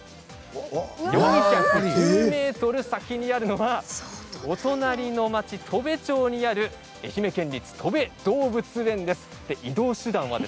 ４１０ｍ先にあるのはお隣の町にある愛媛県立とべ動物園です。